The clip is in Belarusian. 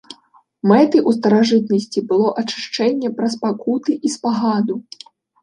Мэтай у старажытнасці было ачышчэнне праз пакуты і спагаду.